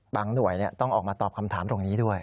หน่วยต้องออกมาตอบคำถามตรงนี้ด้วย